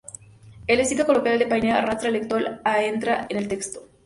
El estilo coloquial de Paine arrastra al lector a entrar en el texto.